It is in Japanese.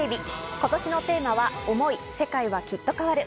今年のテーマは「想い世界は、きっと変わる。」。